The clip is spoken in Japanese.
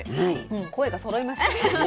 声がそろいましたね。